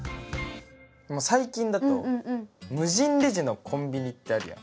最近だと無人レジのコンビニってあるやん。